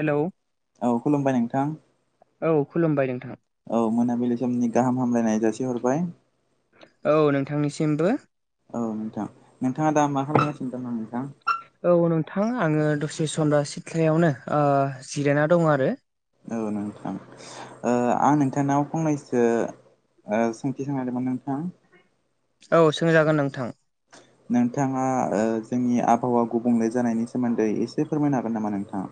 Hello? औ, खुलुमबाय नोंथां। औ, खुलुमबाय नोंथां। औ, मोनाबिलि समनि गाहाम हामलायनाय जासि हरबाय। औ, नोंथांनिसिमबो। औ नोंथां, नोंथाङा दा मा खालामगासिनो दङ' नोंथां? औ, नोंथां आङो दसे सम दा सिथ्लायावनो ओ जिरायना दङ' आरो। औ नोंथां। ओ आं नोंथांनाव फंनैसो ओ सोंथि सोंनो नागेरदोंमोन नोंथां। औ, सोंजागोन नोंथां। नोंथाङा ओ जोंनि आबहावा गुबुंले जानायनि सोमोन्दै एसे फोरमायनो हागोन नामा नोंथा?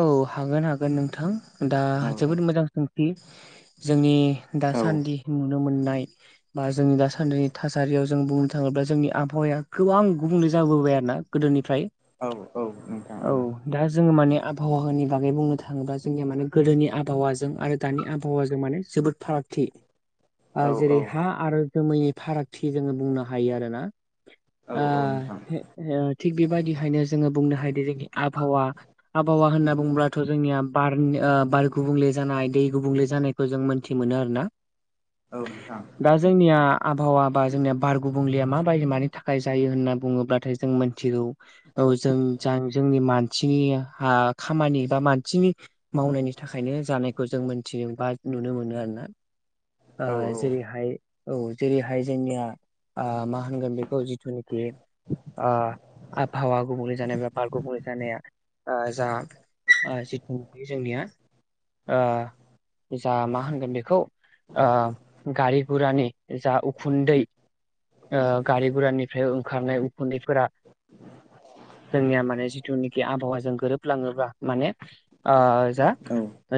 औ, हागोन हागोन नोंथां। दा औ जोबोद मोजां सोंथि जोंनि दासान्दि नुनो मोननाय बा जोंनि दासान्दिनि थासारियाव जों बुंनो थाङोब्ला जोंनि आबहावाया गोबां गुबुंले जाबोबाय आरो ना गोदोनिफ्राय औ औ, नोंथां औ। दा जोङो माने आब हावानि बागै बुंनो थाङोब्ला जोंनिया माने गोदोनि आबहावाजों आरो दानि आबहावाजों माने जोबोद फारागथि। [unintelligible] आ जेरै औ हा आरो जोमैनि फारागथि जोङो बुंनो हायो आरो ना। औ ओ औ नोंथां थे-हे-थिग बेबायदिहायनो जोङो बुंनो हायोदि जोंनि आबहावा आबहावा होनना बुङोब्लाथ' जोंनिया बार्न ओ बार गुबुंले जानाय दै गुबुंले जानायखौ जों मोन्थि मोनो आरो ना। औ, नोंथां। दा जोंनिया आबहावा बा जोंनिया बार गुबुंलिया माबायदि मानि थाखाय जायो होनना बुङोब्लाथाय जों मोन थिगौ औ जों जां-जोंनि मानथि हा खामानि बा मानथिनि मावनायनि थाखायनो जानायखौ जों मोनथियो बा नुनो मोनो आरो ना। ओ औ औ जेरैहाय औ जेरैहाय जोंनिया आ मा होनगोन बेखौ जिथुनेखि आ आबहावा गुबुंले जानाय बेफारखौ [unintelligible] जानाया जा जिथुनुखि जोंनिया जा मा होनगोन बेखौ गारि गुरानि जा उखुन्दै गारि गुरानिफ्राय ओंखारनाय उखुन्दैफोरा जोंनिया माने जिथुनिखि आबहावा जों गोरोब लाङोबा माने ओ जा औ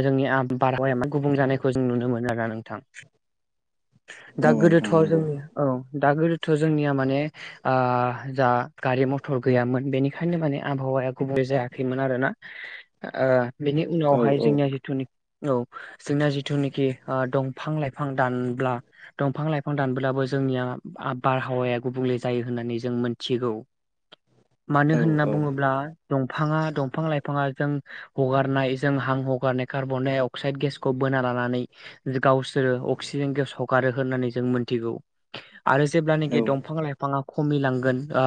जोंनि आब बारहावाया मा गुबुं जानायखौ जों नुनो मोनो आरोना नोंथां दा औ नोंथां गोदोथ'आव नंगौ जोंनि औ दा गोदोथ' जोंनिया माने जा गारि-मथर गैयामोन बेनिखायनो माने आबहावाया गुबै जायाखैमोन आरोना। बेनि औ उनावहाय औ जोंनिया जिथुनि औ जोंना जिथुनिखि दंफां लाइफां दानब्ला दंफां लाइफां दानब्लाबो जोंनिया आब बारहावाया गुबुंले जायो होननानै जों मोनथिगौ। [inaudible] मानो औ होनना बुङोब्ला दंफाङा दंफां लाइफाङा जों हगारनाय जों हां हगारनाय कार्बन-डाइ-अक्साइद गेसखौ बोना लानानै गावसोरो अक्सिजेन-गेस हगारो होननानै जों मोनथिगौ। आरो जेब्लानोखि औ दंफां लाइफाङा खमिलांगोन ओ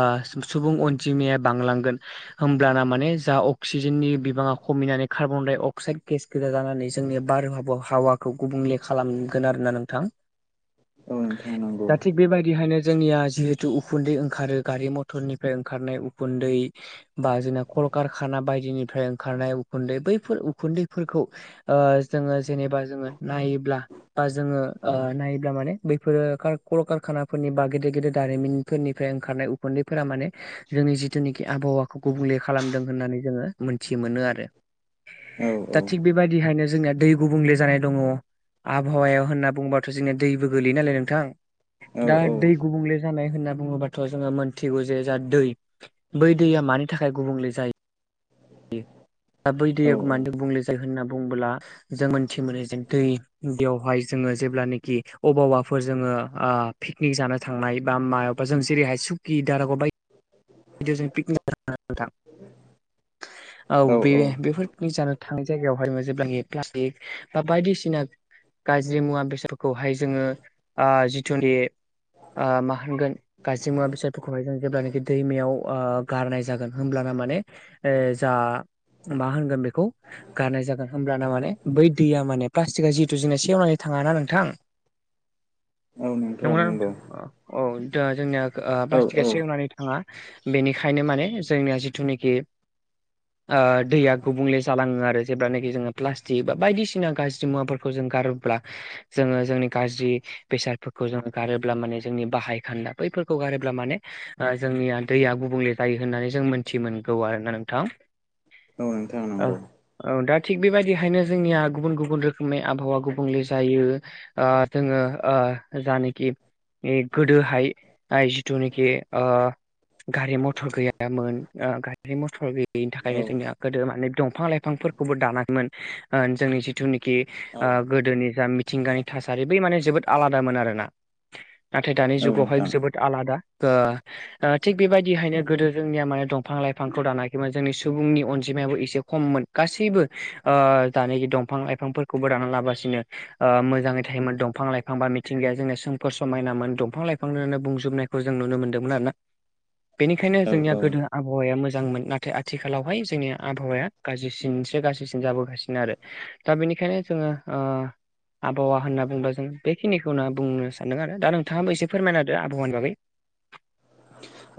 सुबुं अनजिमाया बांलांगोन होमब्लाना माने जा अक्सिजेननि बिबाङा खमिनानै कार्बन-डाइ-अक्साइद गेस रोजा जानानै जोंनि बारहावाखौ गुबुंले खालामगोन आरोना नोंथां। औ नोंथां नंगौ दा थिग बेबायदिहायनो जोंनिया जिहेतु उखुन्दै ओंखारो गारि मथरनिफ्राय ओंखारनाय उखुन्दै बा जोंना कलकारखाना बायदिनिफ्राय ओंखारनाय उखुन्दै बैफोर उखुन्दैफोरखौ ओ जोङो जेनेबा जोङो नायोब्ला बा जोङो ओ नायोब्ला माने बैफोरो कल-कारखानाफोरनि बा गेदेर गेदेर दारिमिनफोरनिफ्राय ओंखारनाय उखुन्दैफोरा माने जोंनि जिथुनिखि आबहावाखौ गुबुंले खालामदों होननानै जोङो मोन्थि मोनो आरो। औ दा थिग औ बेबायदिहायनो जोंनिया दै गुबुंले जानाय दङ आबहावायाव होनना बुंबा जोंनिया दैबो गोलैयो नालाय नोंथां दा औ दै गुबुंले जानाय होनना बुङोबाथ' जोङो मोनथिगौ जे जा दै बै दैया मानि थाखाय गुबुंले जायो बै दैया औ औ मानि गुबुंले होनना बुंओब्ला जों मोनथि मोनो जे दै दैयावहाय जोङो जेब्ला खि अबावबाफोर जोङो पिकनिक जानो थांनाय बा मायावबा जों जेरैहाय सुकि दारागाव बायदि [unintelligible] औ बे बेफोर पिकनिक जानो थांनाय जायगायावहाय जेब्लानोखि प्लास्टिक बा बायदिसिना गाज्रि मुवा बेसादफोरखौहाय जोङो जिथुनि ओ मा होनगोन गाज्रि मुवा बेसादफोरखौहाय जों जेब्लानोखि दैमायाव ओ गारनाय जागोन होमब्लाना माने जा मा होनगोन बेखौ गारनाय जागोन होमब्लाना माने बै दैया माने प्लास्टिकआ जिहेथु जोंना सेवनानै थाङाना नोंथां? औ नोंथां नंगौ। औ दा जोंनिया औ प्लास्टिकआ सेवनानै थाङा बेनिखायनो माने जोंनिया जिथुनोखि [inaudible] ओ दैया गुबुंले जालाङो आरो जेब्लानोखि जोङो प्लास्टिक बा बायदिसिना गाज्रि मुवाफोरखौ जों गारोब्ला जोङो जोंनि गाज्रि बेसादफोरखौ जों गारोब्ला माने जोंनि बाहाय खान्दा बैफोरखौ गारोब्ला माने जोंनिया दैया गुबुंले जायो होननानै जों मोनथि मोनगौ आरोना नोंथां। औ नोंथां नंगौ औ दा थिग बेबायदिहायनो जोंनिया गुबुन गुबुन रोखोमनि आबहावा गुबुंले जायो। ओ जोङो ओ जानोखि गोदोहाय जिथुनोखि ओ गारि मथर गैयामोन गारि मथर गैयिनि औ थाखायनो जोंनिया गोदो माने दंफां लाइफांफोर खौबो दानाखैमोन ओ जोंनि जिथुनिखि औ ओ गोदोनि जा मिथिंगानि थासारि बै माने जोबोद आलादामोन आरोना [inaudible] नाथाय दानि औ जुगावहाय नोंथां जोबोद आलादा ओ ओ थिग बेबायदिहायनो गोदो जोंनिया माने दंफां लाइफांखौ दानाखैमोन जोंनि सुबुंनि अनजिमायाबो एसे खममोन गासैबो ओ दानोखि दंफां लाइफांफोरखौबो दाना लाबासिनो ओ मोजाङै थायोमोन दंफां लाइफां बा मिथिंगाया जोंनि सोमखोर समायनामोन दंफां लाइफां जोंनो बुंजोबनाय खौ जों नुनो मोन्दोंमोन आरोना बेनिखायनो औ जोंनिया औ गोदो आ आबहावाया मोजांमोन नाथाय आथिखालावहाय जोंनि आबहावाया गाज्रिसिनसो गाज्रिसिन जाबोगासिनो आरो दा बेनिखायनो जोङो ओ आबहावा होनना बुंबा जों बेखिनिखौनो बुंनो सानदों आरो दा नोंथाङाबो एसे फोरमायनादो आबहावानि बागै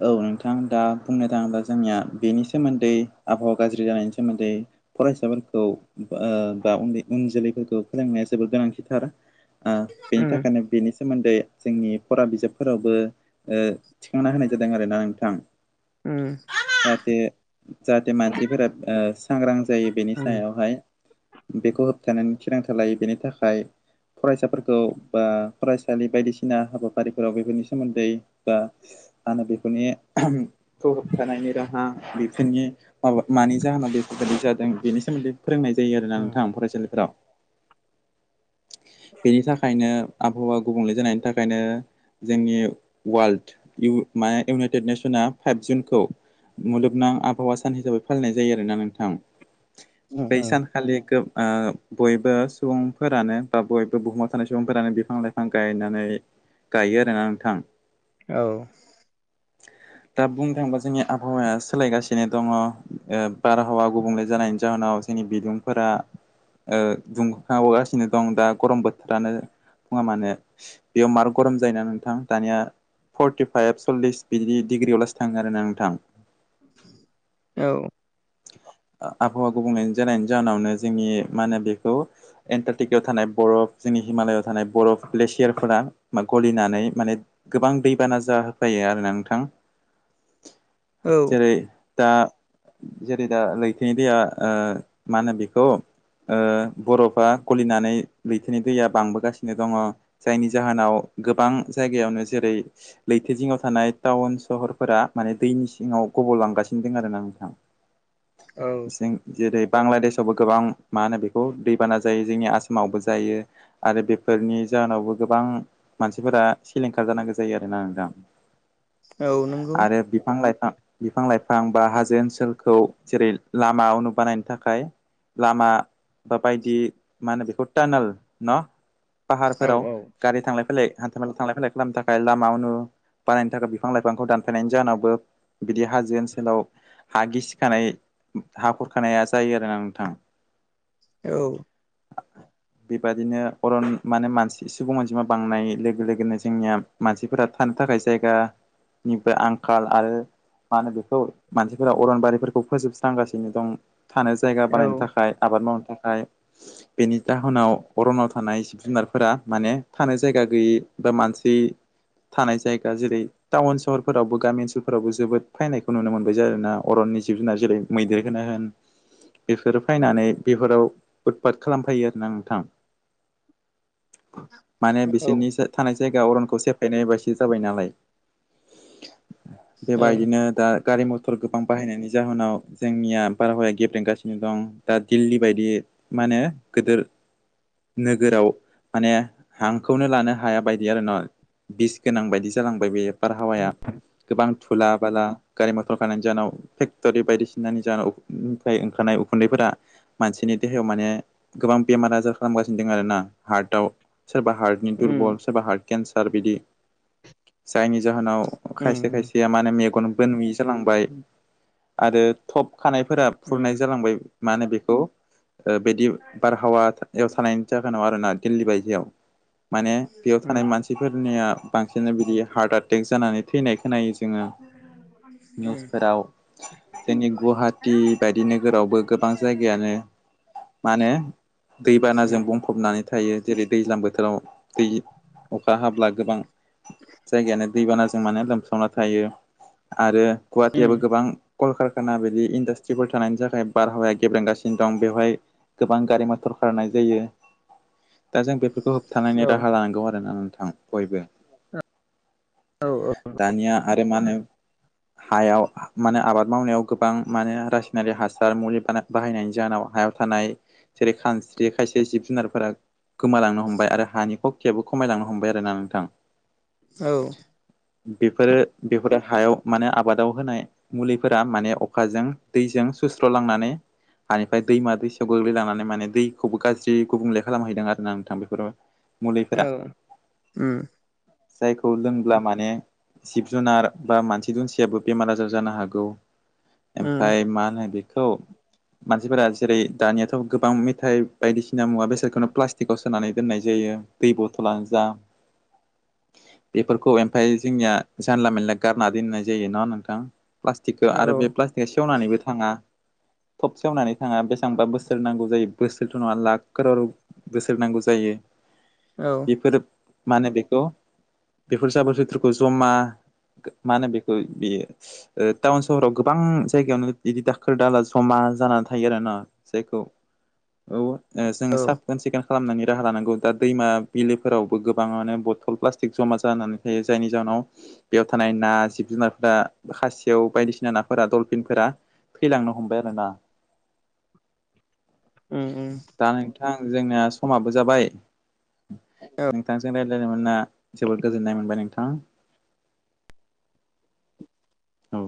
औ नोंथां दा बुंनो थाङोब्ला जोंनिया बेनि सोमोन्दै आबहावा गाज्रि जानायनि सोमोन्दै फरायसाफोरखौ ओ बा उन्दै उन जोलैफोरखौ फोरोंनाया जोबोद गोनांथिथार। ओ बेनि उम थाखायनो बेनि सोमोन्दै जोंनि फरा बिजाबफोरावबो ओ थिखांना होनाय जादों आरोना नोंथां। उम जाहाथे जाहाथे मानसिफोरा ओ सांग्रां जायो बेनि उम सायाव हाय बेखौ होबथानायनि थिरांथा लायो बेनि थाखाय फरायसाफोरखौ बा फरायसालि बायदिसिना हाबाफारिफोराव बेफोरनि सोमोन्दै बा मानो बेफोरनि खौ होबथानायनि राहा बेफोरनि माबा मानि जाहोनाव बेफोरबायदि जादों बेनि सोमोन्दै फोरोंनाय जायो आरोना उम नोंथां फरायसालिफोराव बेनि थाखायनो आबहावा गुबुंले जानायनि थाखायनो जोंनि वाल्ड इउ मा इउनाइटेड नेसना फाइभ जुनखौ मुलुगनां आबहावा सान हिसाबै फालिनाय जायो आरोना नोंथां उम बै उम सान खालि गोब ओ बयबो सुबुंफोरानो बा बयबो बुहुमाव थानाय सुबुंफोरानो बिफां लाइफां गायनानै गायो आरोना नोंथां। औ। [inaudible] दा बुंनो थाङोबा जोंनि आबहावाया सोलायगासिनो दङ ओ बारहावा गुबुंले जानायनि जाहोनाव जोंनि बिदुंफोरा ओ दुंखावगासिनो दं दा गरम बोथोरानो बुङा मानोे। बेयाव मार गरम जायोना नोंथां दानिया फर्टि फाइभ, सल्लिस बिदि डिग्रियाव लासो थाङो आरोना नोंथां। औ। ओ आबहावा गुबुंले जानायनि जाहोनावनो जोंनि मा होनो बेखौ एन्टारटिकायाव थानाय बरफ जोंनि हिमालयआव थानाय बरफ ग्लेसियारफोरा गलिनानै माने गोबां दैबाना जाहोफैयो आरोना नोंथां। औ जेरै दा जेरै दा लैथोनि दैया ओ मा होनो बेखौ ओ बरफा गलिनानै लैथोनि दैया बांबोगासिनो दङ जायनि जाहोनाव गोबां जायगायावनो जेरै लैथो जिङाव थानाय टाउन सहरफोरा माने दैनि सिङाव गबलांगासिनो दोंङो आरोना नोंथां। औ जों जेरै बांलादेसावबो गोबां मा होनो बेखौ दैबाना जायो जोंनि आसामावबो जायो। आरो बेफोरनि जाहोनावबो गोबां मानसिफोरा सिलिंखार जानांगौ जायो आरोना नोंथां। औ नंगौ आरो बिफां लाइफां बिफां लाइफां बा हाजो ओनसोल खौ जेरै लामाव बानायनो थाखाय लामा बा बायदि मा होनो बेखौ टारनेल न? पाहार औ फोराव औ गारि थांलाय फैलाय हान्था मेला थांलाय फैलाय खालामनो थाखाय लामा उन बानायनो थाखाय बिफां लाइफांखौ दानफायनायनि जाहोनावबो बिदि हाजो ओनसोलाव हा गिसि खानाय हा खुरखानाया जायो आरोना नोंथां। औ। [inaudible] बे बादिनो अरन माने मानसि सुबुं अनजिमा बांनाय लोगो लोगोनो जोंनिया मानसिफोरा थानो थाखाय जायगा निबो आंखाल आरो मा होनो बेखौ मानसिफोरा अरनबारि फोर खौ फोजोबस्रां गासिनो दं थानो जायगा औ बानायनो थाखाय आबाद मावनो थाखाय। बेनि जाहोनाव अरनाव थानाय जिब जुनार फोरा माने थानाय जायगा गैयै बा मानसि थानाय जायगा जेरै थावन सहर फोरावबो गामि ओनसोल फोरावबो जोबोद फैनायखौ नुनो मोनबाय आरोना अरननि जिब जुनार जेरै मैदेरखौनो होन बेफोरो फैनानै बेफोराव उदपात खालामफैयो आरोना नोंथां। माने औ बिसोरनि सो थानाय जायगा अरनखौ सेफायनाय बायदि जाबाय नालाय बेबायदिनो दा गारि मथर गोबां बाहायनायनि जाहोनाव जोंनिया बारहावाया गेब्रेंगासिनो दं दा दिल्ली बायदि मानो गिदिर नोगोराव माने हांखौनो लानो हाया बायदि आरो ना। बिस गोनां बायदि जालांबाय बेयो बारहावाया गोबां थुला बाला गारि मथर खारनायनि जोनाव फे तरि बायदिसिनानि जाहाव फाय ओंखारनाय उखुन्दैफोरा मानसिनि देहायाव माने गोबां बेमार आजार खालामगासिनो दं आरो ना हार्टआव सोरबा हार्ट नि उम दुरबलस एबा हार्ट केन्सार बिदि जायनि जाहोनाव खायसे उम खायसेया मानो मेगनबो नुयि जालांबाय। आरो थप खानायफोरा उम फुरनाय जालांबाय मा होनो बेखौ ओ बिदि बारहावा याव थानायनि जाहोनाव आरोना दिल्ली बायदियाव माने बेयाव उम थानाय मानसि फोरनिया बांसिन बिदि हार्ट एटेक जानानै थैनाय खोनायो। जोङो निउस फोराव जोंनि गुवाहाटि बायदि नोगोरावबो गोबां जायगायानो मा होनो दैबानाजों उम बुंफबनानै थायो जेरै दैज्लां बोथोराव दै अखा हाब्ला गोबां जायगायानो दैबानाजों मानो लोमसावना थायो आरो गुवाहाटियाबो उम गोबां कल कारखाना बिदि इन्डास्ट्रिफोर थानायनि थाखाय बारहावाया गेब्रेंगासिनो दं बेवहाय गोबां गारि मथर खारनाय जायो। दा जों बेफोरखौ होबथानायनि औ राहा लानांगौ आरोना नोंथां बयबो। औ औ दानिया आरो मा नो हायाव मा नो आबाद मावनायाव गोबां मानो रासायनारिक हासार मुलि बान बाहायनायनि जाहोनाव हायाव थानाय जेरै खानस्रि खायसे जिब जुनारफोरा गोमालांनो हमबाय आरो हानि खखियाबो खमायलांनो हमबाय आरोना नोंथां। औ। बेफोरो बेफोर हायाव मा नो आबादाव होनाय मुलिफोरा माने अखाजों दैजों सुस्र'लांनानै हानिफ्राय दैमा दैसायाव गोग्लैलांनानै माने दैखौबो गाज्रि गुबुंले खालामहैदों आरो ना नोंथां बेफोर औ मुलिफोरा। उम जायखौ लोंब्ला माने जिब जुनार बा मानसि दुनसियाबो बेमार आजार जानो हागौ उम ओमफाय मा होनो बेखौ मानसिफोरा जेरै दानियाथ' गोबां मेथाइ बायदिसिना मुवा बेसादखौनो प्लास्टिकआव सोनानै दोननाय जायो। दै बथलानो जा बेफोरखौ ओमफाय जोंनिया जानला मानला गारना दोननाय जायो ना नोंथां? प्लास्टिकखौ औ आरो बे प्लास्टिकआ सेवनानैबो थाङा। थब सेवनानै थाङा बेसेबांबा बोसोर नांगौ जायो बोसोरथ' नङा लाख कर' बोसोर नांगौ जायो। औ बेफोरो माने बेखौ बेफोर जाबोर जोथ्रखौ जमा मा होनो बेखौ बेयो टाउन सहराव गोबां जायगायावनो इदि दाखोर दाला जमा जानानै थायो आरो ना। जायखौ औ जोङो औ साफ साखोन सिखोन खालामनायनि राहा लानांगौ दा दैमा बिलोफोरावबो गोबाङानो बथल प्लास्टिक जमा जानानै थायो जायनि जाहोनाव बेयाव थानाय ना जिब जुनारफोरा खासि बेव बायदिसिना नाफोरा दलफिनफोरा थैलांनो हमबाय आरो ना। [inaudible] उम उ दा नोंथां जोंनिया समाबो जाबाय नोंथांजोंनो रा लायनो मोना जोबोद गोजोननाय मोनबाय नोंथाङा औ